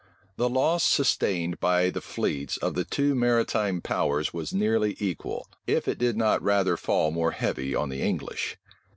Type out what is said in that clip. The loss sustained by the fleets of the two maritime powers was nearly equal, if it did not rather fall more heavy on the English.